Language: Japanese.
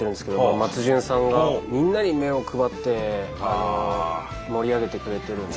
松潤さんがみんなに目を配って盛り上げてくれてるんで。